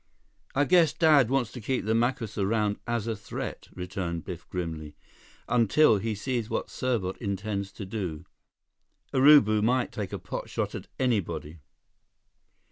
"I guess Dad wants to keep the Macus around as a threat," returned Biff grimly, "until he sees what Serbot intends to do. Urubu might take a pot shot at anybody."